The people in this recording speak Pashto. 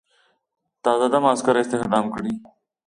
تازه دمه عسکر استخدام کړي.